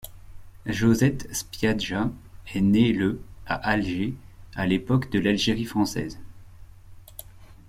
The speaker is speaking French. Josette Spiaggia est née le à Alger à l’époque de l’Algérie française.